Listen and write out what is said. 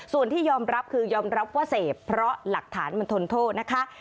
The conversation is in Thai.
ส่วนที่ยอมรับคือยอมรับว่าเสพเพราะหลักฐานมันทนโทษนะคะ